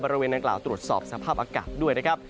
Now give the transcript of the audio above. บริเวณดังกล่าวตรวจสอบสภาพอากาศด้วยนะครับ